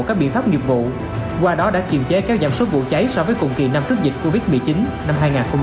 và cấp nhiệm vụ qua đó đã kiềm chế kéo giảm số vụ cháy so với cùng kỳ năm trước dịch covid một mươi chín năm hai nghìn một mươi chín